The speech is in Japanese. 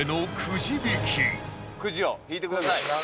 くじを引いてください。